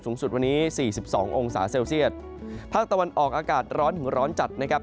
สูงสุดวันนี้สี่สิบสององศาเซลเซียตภาคตะวันออกอากาศร้อนถึงร้อนจัดนะครับ